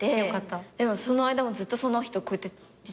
でもその間もずっとその人こうやって。